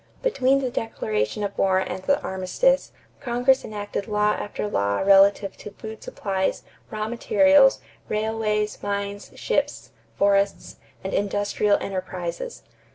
Between the declaration of war and the armistice, Congress enacted law after law relative to food supplies, raw materials, railways, mines, ships, forests, and industrial enterprises.